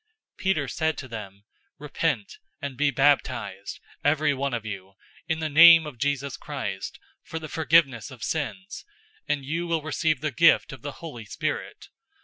002:038 Peter said to them, "Repent, and be baptized, every one of you, in the name of Jesus Christ for the forgiveness of sins, and you will receive the gift of the Holy Spirit.